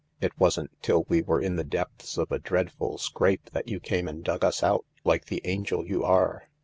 It wasn't till we were in the depths of a dread ful scrape that you came and dug us out, like the angel you are."